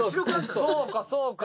そうかそうか。